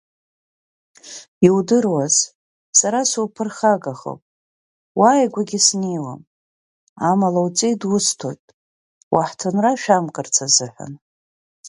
Иудыруаз, сара суԥырхагахом, уааигәагьы снеиуам, амала уҵеи дусҭоит, уаҳҭынра ашә амкырц азыҳәан.